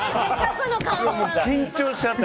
緊張しちゃって。